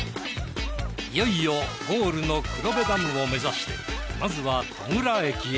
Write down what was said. いよいよゴールの黒部ダムを目指してまずは戸倉駅へ。